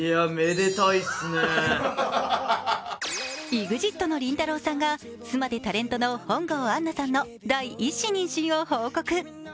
ＥＸＩＴのりんたろーさんが妻でタレントの本郷杏奈さんの第一子妊娠を報告。